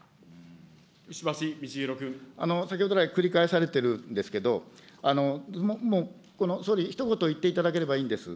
先ほど来、繰り返されてるんですけれども、総理、ひと言言っていただければいいんです。